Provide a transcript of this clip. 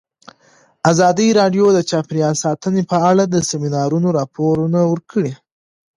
ازادي راډیو د چاپیریال ساتنه په اړه د سیمینارونو راپورونه ورکړي.